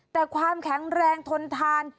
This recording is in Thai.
แต่ความแข็งแรงทนทาน